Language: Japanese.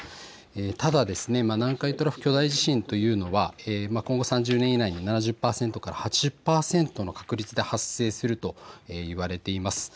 ただ南海トラフ巨大地震というのは今後３０年以内に７０％から８０％の確率で発生すると言われています。